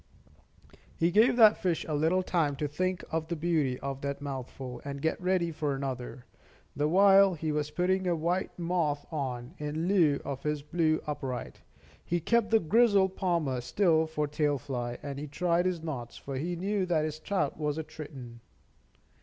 He gave that fish a little time to think of the beauty of that mouthful, and get ready for another, the while he was putting a white moth on, in lieu of his blue upright. He kept the grizzled palmer still for tail fly, and he tried his knots, for he knew that this trout was a Triton.